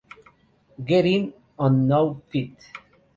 Get It on Now Feat.